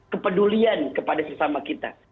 kepedulian kepada sesama kita